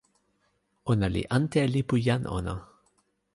ona li ante e lipu jan ona.